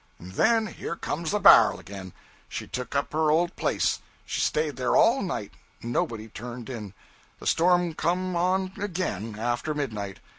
And then, here comes the bar'l again. She took up her old place. She staid there all night; nobody turned in. The storm come on again, after midnight.